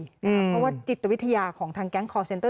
เพราะว่าจิตวิทยาของทางแก๊งคอร์เซ็นเตอร์